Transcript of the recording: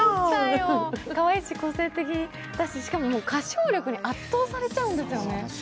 かわいいし個性的だし、しかも歌唱力に圧倒されちゃうんですよね。